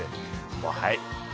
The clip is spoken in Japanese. もうはい。